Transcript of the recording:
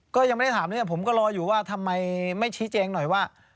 ก็ยังไม่ได้ถามเรื่องผมก็รออยู่ว่าทำไมไม่ชี้แจงหน่อยว่า